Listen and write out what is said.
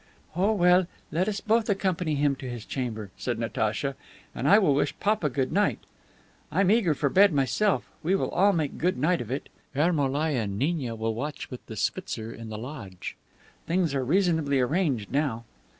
"Oh, well, let us both accompany him to his chamber," said Natacha, "and I will wish papa good night. I'm eager for bed myself. We will all make a good night of it. Ermolai and Gniagnia will watch with the schwitzar in the lodge. Things are reasonably arranged now."